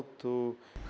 dân tộc việt nam